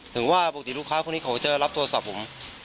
ถึงว่าปกติลูกค้าคนนี้เขาจะรับโทรศัพท์ผม